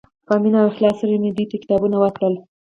په مینه او اخلاص سره مې دوی ته کتابونه ورکړل.